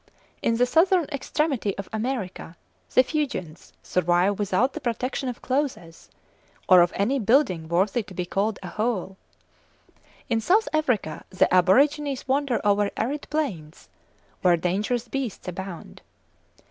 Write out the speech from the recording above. In the southern extremity of America the Fuegians survive without the protection of clothes, or of any building worthy to be called a hovel. In South Africa the aborigines wander over arid plains, where dangerous beasts abound.